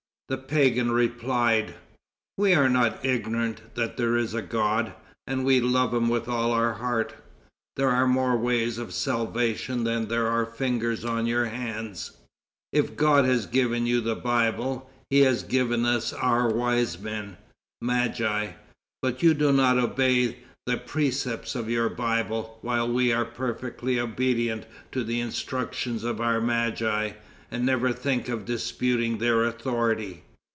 The pagan replied; "We are not ignorant that there is a God; and we love him with all our heart. There are more ways of salvation than there are fingers on your hands. If God has given you the Bible, he has given us our wise men (Magi). But you do not obey the precepts of your Bible, while we are perfectly obedient to the instructions of our Magi, and never think of disputing their authority."